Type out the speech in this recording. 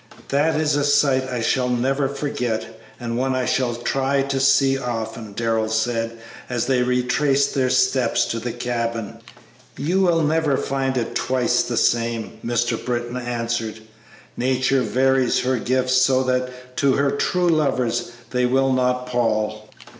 "That is a sight I shall never forget, and one I shall try to see often," Darrell said, as they retraced their steps to the cabin. "You will never find it twice the same," Mr. Britton answered; "Nature varies her gifts so that to her true lovers they will not pall."